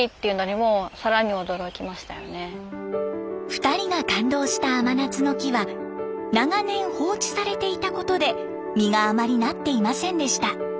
２人が感動した甘夏の木は長年放置されていたことで実があまりなっていませんでした。